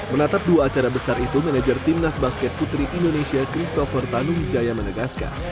menatap dua acara besar itu manajer timnas basket putri indonesia christopher tanuwijaya menegaskan